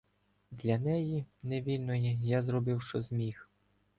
Для неї, невільної, я зробив що зміг.